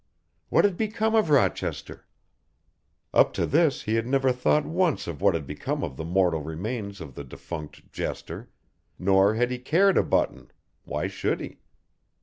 What had become of Rochester? Up to this he had never thought once of what had become of the mortal remains of the defunct jester, nor had he cared a button why should he?